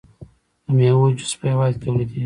د میوو جوس په هیواد کې تولیدیږي.